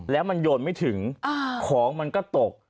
แล้วมันโยนไม่ถึงของมันก็ตก